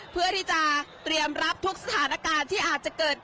เพื่อที่จะเตรียมรับทุกสถานการณ์ที่อาจจะเกิด